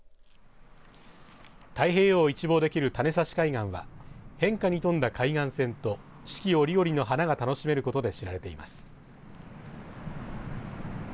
太平洋を一望できる種差海岸は変化に富んだ海岸線と四季折々の花が楽しめる海岸として知られています。